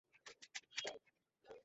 এক লাখ মানুষকে খাবার পরিবেশন করা।